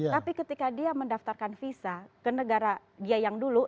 tapi ketika dia mendaftarkan visa ke negara dia yang dulu